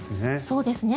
そうですね。